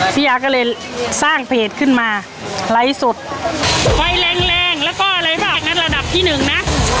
พี่อาก็เลยสร้างเพจขึ้นมาไลฟ์สดไฟแรงแรงแล้วก็อะไรบ้างอย่างนั้นระดับที่หนึ่งนะ